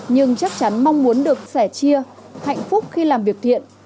nhưng chắc chắn mong muốn được sẻ chia hạnh phúc khi làm việc thiện